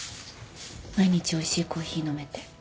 毎日おいしいコーヒー飲めて。